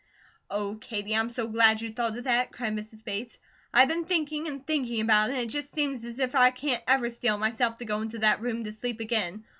"Oh, Katie, I'm so glad you thought of that," cried Mrs. Bates. "I been thinking and thinking about it, and it just seems as if I can't ever steel myself to go into that room to sleep again.